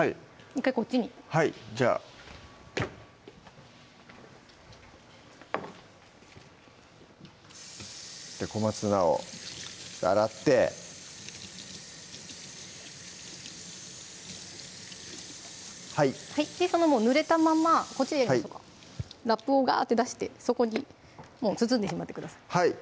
１回こっちにはいじゃあ小松菜を洗ってはいそのぬれたままこっちでラップをガッて出してそこに包んでしまってください